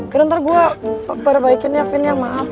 yaudah nanti gua perbaikin ya vin ya maaf